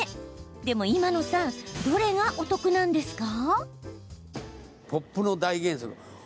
でも今野さんどれがお得なんですか？